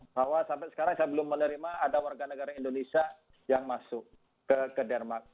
bahwa sampai sekarang saya belum menerima ada warga negara indonesia yang masuk ke denmark